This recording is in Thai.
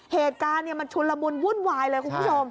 เหตุการณ์มันชุนละมุนวุ่นวายเลยคุณผู้ชม